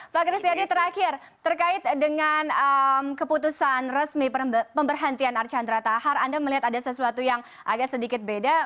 pak kristiadi terakhir terkait dengan keputusan resmi pemberhentian archandra tahar anda melihat ada sesuatu yang agak sedikit beda